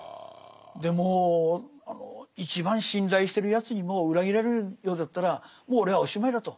でもう一番信頼してるやつにも裏切られるようだったらもう俺はおしまいだと。